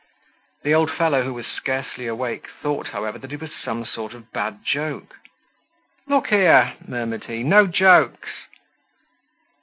The old fellow, who was scarcely awake thought, however, that it was some sort of bad joke. "Look here," murmured he, "no jokes!"